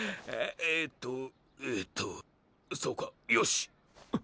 えーとえーとそうかよし。